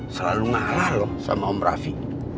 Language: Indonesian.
selalu ngarah loh sama om raffi